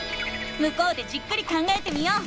向こうでじっくり考えてみよう。